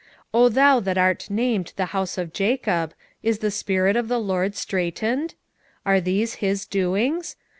2:7 O thou that art named the house of Jacob, is the spirit of the LORD straitened? are these his doings?